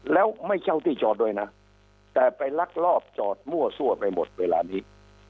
แล้วไม่เช่าที่จอดด้วยนะแต่ไปลักลอบจอดมั่วซั่วไปหมดเวลานี้